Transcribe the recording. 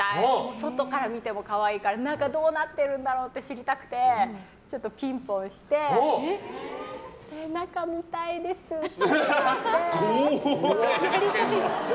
外から見ても可愛いから中どうなってるんだろうって知りたくてちょっとピンポンして中を見たいんですって言って。